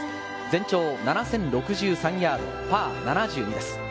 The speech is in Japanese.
全長７０６３ヤード、パー７２です。